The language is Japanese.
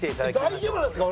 大丈夫なんですか？